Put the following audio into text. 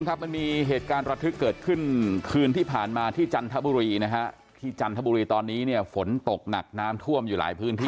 ครับมันมีเหตุการณ์ระทึกเกิดขึ้นคืนที่ผ่านมาที่จันทบุรีนะฮะที่จันทบุรีตอนนี้เนี่ยฝนตกหนักน้ำท่วมอยู่หลายพื้นที่